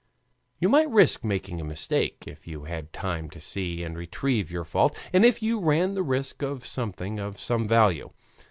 You might risk making a mistake if you had time to see and retrieve your fault, and if you ran the risk for something of some value.